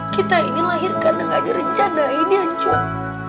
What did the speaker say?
kita ini lahir karena gak direncanain ya cud